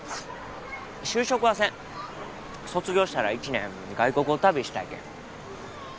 就職はせん卒業したら１年外国を旅したいけん